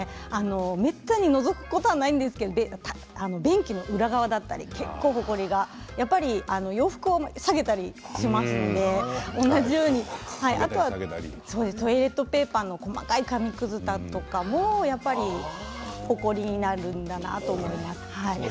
めったにのぞくことはないんですけれども便器の裏側だったり結構ほこりが、やっぱり洋服を下げたりしますので同じようにあとはトイレットペーパーの細かい紙くずだったりもやっぱり、ほこりになるのかなと思います。